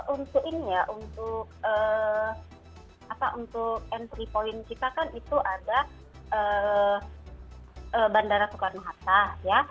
untuk entry point kita kan itu ada bandara soekarno hatta